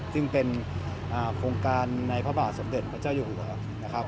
ซึ่งเป็นโครงการในภาพบาทสมเด็จพระเจ้าอยู่เหลือ